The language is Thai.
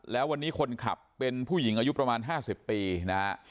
แล้ววันนี้คนขับเป็นผู้หญิงอายุประมาณ๕๐ปีนะฮะ